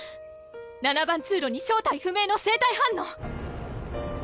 ⁉７番通路に正体不明の生体反応！